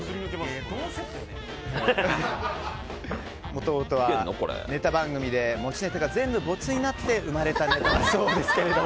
もともとはネタ番組で持ちネタが全部ボツになって生まれたネタだそうですけど。